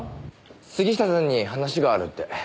杉下さんに話があるって。